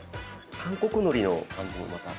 韓国のりの感じもまた。